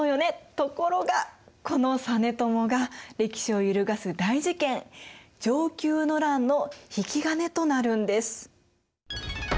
ところがこの実朝が歴史を揺るがす大事件承久の乱の引き金となるんです。